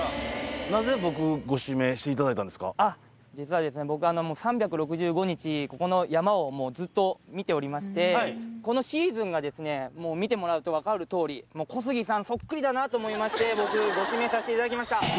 なぜ僕をご指名していただい実はですね、僕は３６５日、ここの山をもうずっと見ておりまして、このシーズンがですね、もう見てもらうと分かるとおり、もう小杉さんそっくりだなと思いまして、僕、ご指名させていただきました。